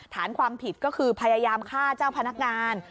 ฐานความผิดก็คือพยายามฆ่าเจ้าพนักงาน